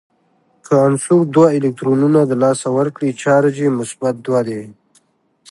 که عنصر دوه الکترونونه د لاسه ورکړي چارج یې مثبت دوه دی.